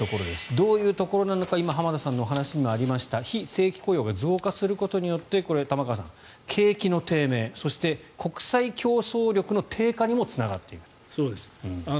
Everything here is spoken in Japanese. どういうところなのか今、浜田さんのお話にもありました非正規雇用が増加することで玉川さん、景気の低迷そして、国際競争力の低下にもつながっていると。